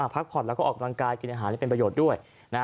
พักผ่อนแล้วก็ออกกำลังกายกินอาหารให้เป็นประโยชน์ด้วย